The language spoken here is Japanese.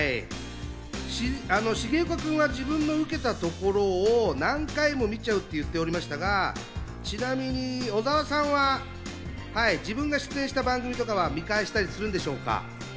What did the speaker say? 重岡君は自分のウケたところを何回も見ちゃうって言っておりましたが、ちなみに小澤さんは自分が出演した番組とかは見返したりするんでしょうか？